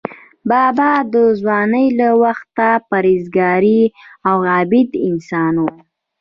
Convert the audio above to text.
بابا د ځوانۍ له وخته پرهیزګار او عابد انسان و.